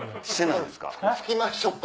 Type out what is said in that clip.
拭きましょうか。